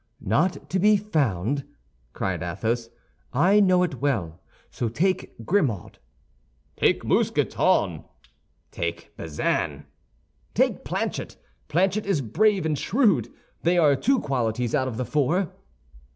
"Not to be found!" cried Athos. "I know it well, so take Grimaud." "Take Mousqueton." "Take Bazin." "Take Planchet. Planchet is brave and shrewd; they are two qualities out of the four."